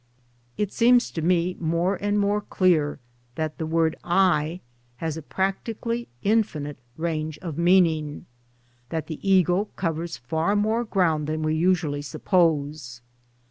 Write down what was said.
It seems to me more and more clear that the word " I " has a practically infinite range of meaning — that the ego covers far more ground than we usually suppose.